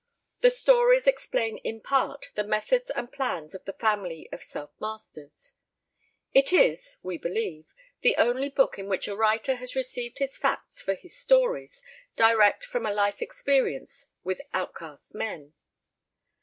The stories explain in part the methods and plans of the Family of Self Masters. It is we believe the only book in which a writer has received his facts for his stories direct from a life experience with outcast men.